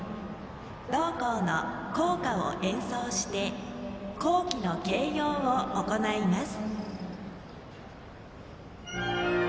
同校の校歌を演奏して校旗の掲揚を行います。